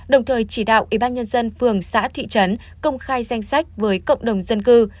đồng thời chỉ đạo ubnd phường xã thị trấn công khai danh sách với cộng đồng dân cư